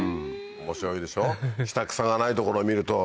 面白いでしょ？